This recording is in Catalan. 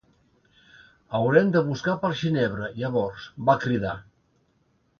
"Haurem de buscar per Ginebra, llavors," va cridar.